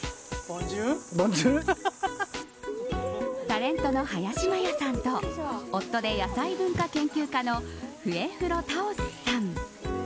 タレントの林マヤさんと夫で野菜文化研究家の笛風呂タオスさん。